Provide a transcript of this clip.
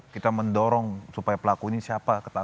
kita mendorong supaya pelaku ini siapa